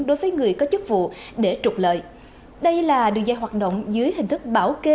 đối với người có chức vụ để trục lợi đây là đường dây hoạt động dưới hình thức bảo kê